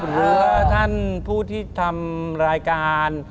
หรือว่าท่านผู้ที่ทำรายการ